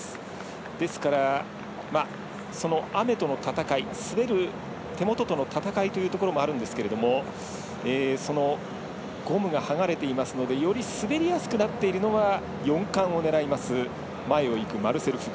ですからその雨との戦い、滑る手元との戦いというところもあるんですけどそのゴムが剥がれていますのでより滑りやすくなっているのは４冠を狙います前をいくマルセル・フグ。